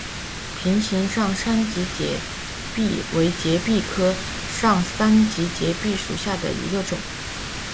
瓶形上三脊节蜱为节蜱科上三脊节蜱属下的一个种。